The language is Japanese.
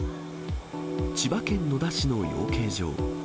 千葉県野田市の養鶏場。